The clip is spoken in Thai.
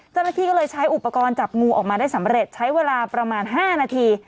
เจ้าหน้าที่ก็เลยใช้อุปกรณ์จับงูออกมาได้สำเร็จใช้เวลาประมาณ๕นาที